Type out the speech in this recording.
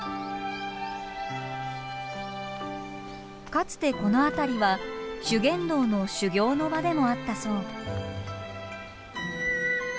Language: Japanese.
かつてこの辺りは修験道の修行の場でもあったそう。